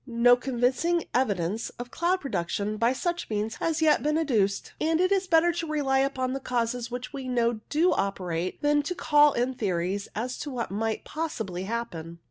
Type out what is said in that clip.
No con vincing evidence of cloud production by such means has yet been adduced, and it is better to rely upon causes which we know do operate than to call in theories as to what might possibly happen.